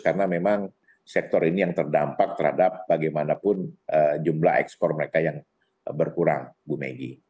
karena memang sektor ini yang terdampak terhadap bagaimanapun jumlah ekspor mereka yang berkurang bu megi